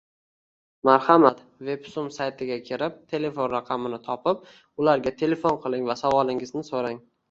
Marhamat, Websum saytiga kirib, telefon raqamini topib, ularga telefon qiling va savolingizni so’rang